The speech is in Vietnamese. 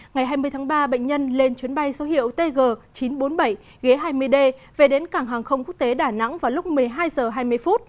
ngày hai mươi tháng ba bệnh nhân lên chuyến bay số hiệu tg chín trăm bốn mươi bảy ghế hai mươi d về đến cảng hàng không quốc tế đà nẵng vào lúc một mươi hai h hai mươi